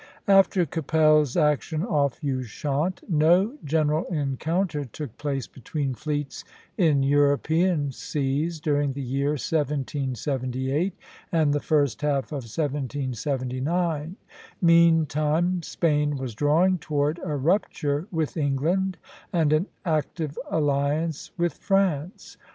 After Keppel's action off Ushant, no general encounter took place between fleets in European seas during the year 1778 and the first half of 1779. Meantime Spain was drawing toward a rupture with England and an active alliance with France.